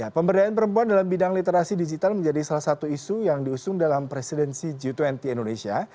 pemberdayaan perempuan dalam bidang literasi digital menjadi salah satu isu yang diusung dalam presidensi g dua puluh indonesia